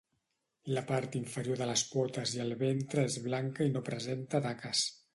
La part inferior de les potes i el ventre és blanca i no presenta taques.